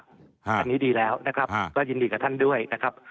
อันนี้ดีแล้วนะครับก็ยินดีกับท่านด้วยนะครับ